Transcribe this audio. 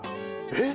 えっ！